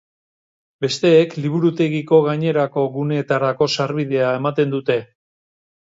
Besteek Liburutegiko gainerako guneetarako sarbidea ematen dute.